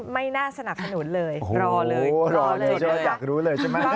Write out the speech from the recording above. ไม่น่าสนับสนุนเลยรอเลยอยากรู้เลยใช่ไหม